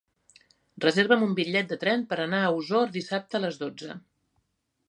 Reserva'm un bitllet de tren per anar a Osor dissabte a les dotze.